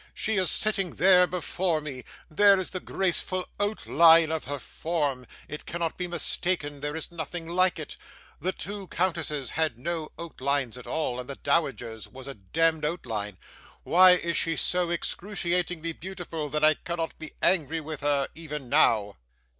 She is sitting there before me. There is the graceful outline of her form; it cannot be mistaken there is nothing like it. The two countesses had no outlines at all, and the dowager's was a demd outline. Why is she so excruciatingly beautiful that I cannot be angry with her, even now?